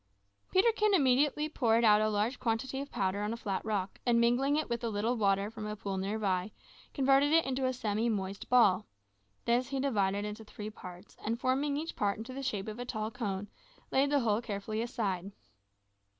Peterkin immediately poured out a large quantity of powder on a flat rock, and mingling with it a little water from a pool near by, converted it into a semi moist ball. This he divided into three parts, and forming each part into the shape of a tall cone, laid the whole carefully aside.